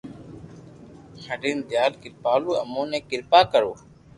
ھيدين ديال ڪرپالو امون تو ڪرپا ڪرو